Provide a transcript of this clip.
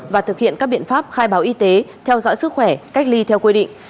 và thực hiện các biện pháp khai báo y tế theo dõi sức khỏe cách ly theo quy định